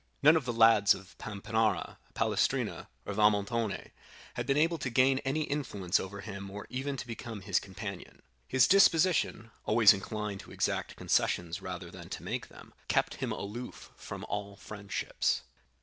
None of the lads of Pampinara, Palestrina, or Valmontone had been able to gain any influence over him or even to become his companion. His disposition (always inclined to exact concessions rather than to make them) kept him aloof from all friendships.